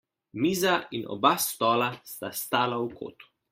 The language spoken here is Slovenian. Miza in oba stola sta stala v kotu.